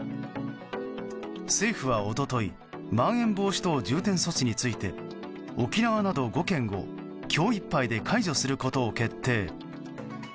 政府は一昨日まん延防止等重点措置について沖縄など５県を、今日いっぱいで解除することを決定。